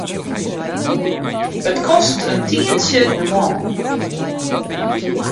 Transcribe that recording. It kostet in tientsje de man.